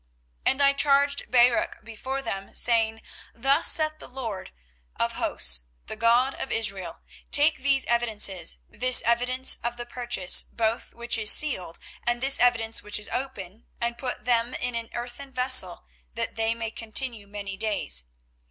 24:032:013 And I charged Baruch before them, saying, 24:032:014 Thus saith the LORD of hosts, the God of Israel; Take these evidences, this evidence of the purchase, both which is sealed, and this evidence which is open; and put them in an earthen vessel, that they may continue many days.